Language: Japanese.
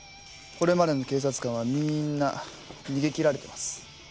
これまでの警察官はみんな逃げきられてます